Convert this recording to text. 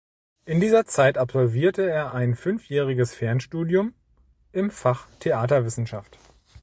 In dieser Zeit absolvierte er ein fünfjähriges Fernstudium im Fach Theaterwissenschaft.